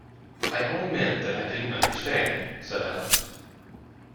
‘I only meant that I didn’t understand,’ said Alice.